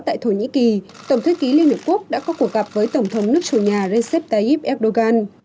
tại thổ nhĩ kỳ tổng thư ký liên hợp quốc đã có cuộc gặp với tổng thống nước chủ nhà recep tayyip erdogan